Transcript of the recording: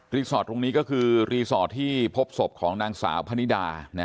สอดตรงนี้ก็คือรีสอร์ทที่พบศพของนางสาวพนิดา